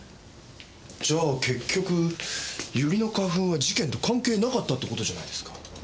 じゃあ結局ユリの花粉は事件と関係なかったって事じゃないですか。